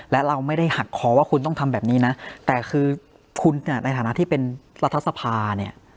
และเราไม่ได้หักคอว่าคุณต้องทำแบบนี้นะแต่คือคุณเนี่ยในฐานะที่เป็นรัฐสภาเนี่ย